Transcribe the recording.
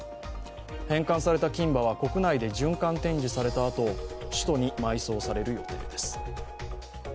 返還された金歯は国内で循環展示されたあと首都に埋葬される予定です。